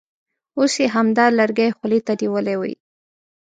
اوس یې همدا لرګی خولې ته نیولی وي.